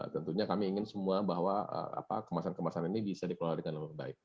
tentunya kami ingin semua bahwa kemasan kemasan ini bisa dikelola dengan lebih baik